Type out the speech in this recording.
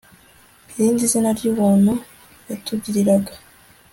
Irindi zina ryubuntu yatugiriraga